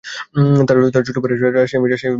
তার ছোট ভাই রাজশাহী মেডিকেল কলেজে পড়ে।